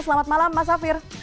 selamat malam mas safir